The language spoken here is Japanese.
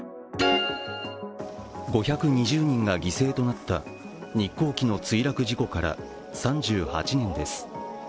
５２０人が犠牲となった日航機の墜落事故から３８年です。